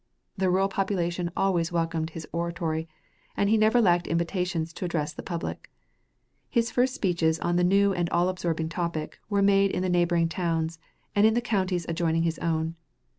The rural population always welcomed his oratory, and he never lacked invitations to address the public. His first speeches on the new and all absorbing topic were made in the neighboring towns, and in the counties adjoining his own.